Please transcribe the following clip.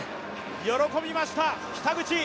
喜びました、北口。